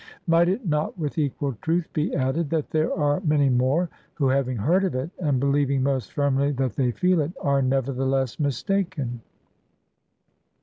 Might it not with equal truth be added, that there are many more, who, having heard of it, and believing most firmly that they feel it, are nevertheless mistaken?